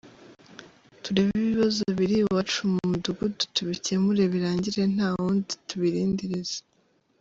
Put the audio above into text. Turebe ibibazo biri iwacu mu mudugudu tubikemure birangire nta wundi tubirindiriza.